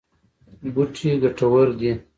بوټي ګټور دي.